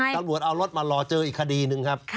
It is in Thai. พบมารอเจออีกคดีหนึ่งครับ